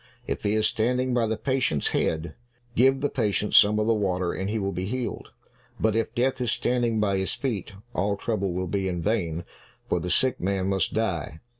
If he is standing by the patient's head, give the patient some of the water and he will be healed, but if Death is standing by his feet, all trouble will be in vain, for the sick man must die."